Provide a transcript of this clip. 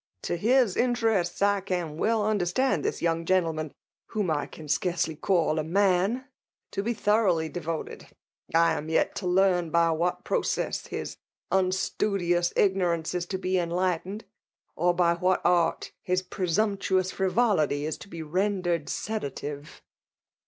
To his interests, I can well understand this young gentleman, whom I can scarcely call a man, to be thoroughly devoted. I am yet to learn by what process his unstudious ignorance is to be enlightened ; or by what art his pre sumptuous frivolity is to be rendered sedative.